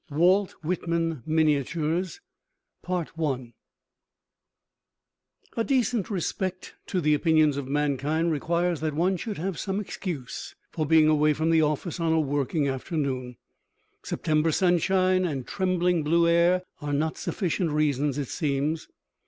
WALT WHITMAN MINIATURES I A decent respect to the opinions of mankind requires that one should have some excuse for being away from the office on a working afternoon. September sunshine and trembling blue air are not sufficient reasons, it seems.